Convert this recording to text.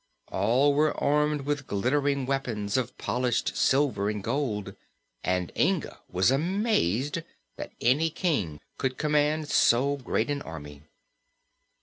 All were armed with glittering weapons of polished silver and gold, and Inga was amazed that any King could command so great an army.